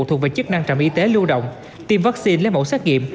thuộc về chức năng trạm y tế lưu động tiêm vaccine lấy mẫu xét nghiệm